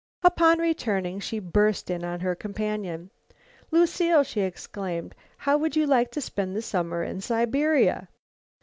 Upon returning she burst in on her companion. "Lucile," she exclaimed, "how would you like to spend the summer in Siberia?"